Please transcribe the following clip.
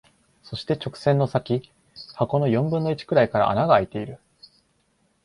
そして、直線の先、箱の四分の一くらいから穴が空いている。